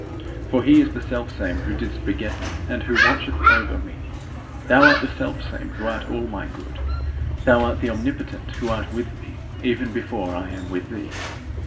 For he is the Selfsame who didst beget me and who watcheth over me; thou art the Selfsame who art all my good. Thou art the Omnipotent, who art with me, even before I am with thee.